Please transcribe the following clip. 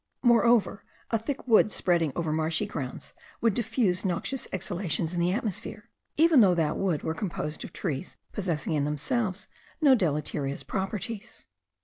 Moreover, a thick wood spreading over marshy grounds would diffuse noxious exhalations in the atmosphere, even though that wood were composed of trees possessing in themselves no deleterious properties.